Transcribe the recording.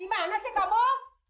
dimana sih kamu